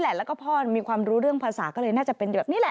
และพ่อมีความรู้เรื่องภาษาก็จะเป็นนี้ฟะ